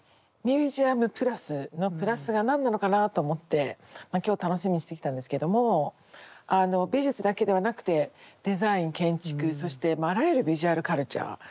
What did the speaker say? ミュージアムプラスの「プラス」が何なのかなと思って今日楽しみにしてきたんですけども美術だけではなくてデザイン建築そしてあらゆるビジュアルカルチャー。